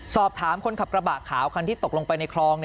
สอบถามคนขับกระบะขาวคันที่ตกลงไปในคลอง